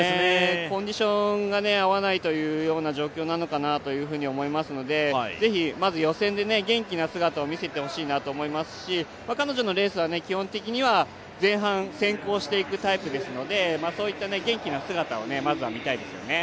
コンディションがね、合わないというような状況なのかなというふうに思いますので是非、まず予選で元気な姿を見せてほしいなと思いますし彼女のレースは、基本的には前半先行していくタイプなのでそういった元気な姿をまずは見たいですよね。